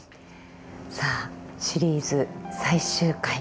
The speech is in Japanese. さあシリーズ最終回。